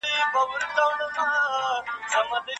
درواغ او تېرايستنه په ناسمه سياسي فضا کي وده کوي.